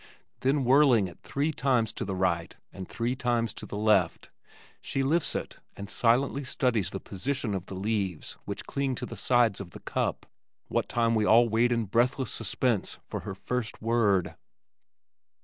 Then whirling it three times to the right and three times to the left, she lifts it and silently studies the position of the leaves which cling to the sides of the cup, what time we all wait in breathless suspense for her first word.